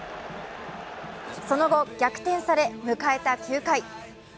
その後逆転され迎えた９回。